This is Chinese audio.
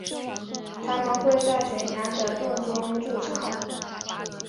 它们会在悬崖的洞中筑巢。